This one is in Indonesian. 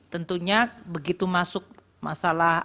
tentunya begitu masuk masalah